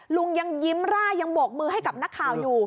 ลุงยังยิ้มร่ายังโบกมือให้กับนักข่าวอยู่